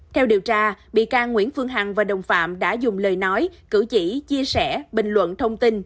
theo điều tra bị can nguyễn phương hằng và đồng phạm đã dùng lời nói cử chỉ chia sẻ bình luận thông tin